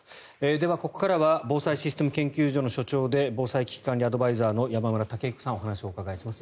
では、ここからは防災システム研究所の所長で防災・危機管理アドバイザーの山村武彦さんにお話をお伺いします。